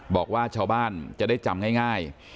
บอกว่าชาวบ้านจะได้จำง่าย